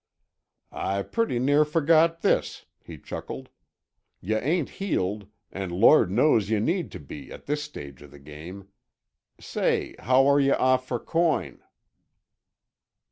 "I pretty near forgot this," he chuckled. "Yuh ain't heeled, and Lord knows yuh need to be at this stage uh the game. Say, how are yuh off for coin?"